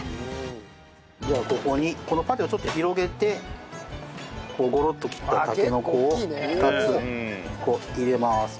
ではここにこのパテをちょっと広げてゴロッと切ったたけのこを２つ入れます。